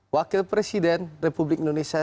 wakil presiden republik indonesia